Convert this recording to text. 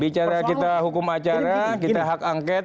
bicara kita hukum acara kita hak angket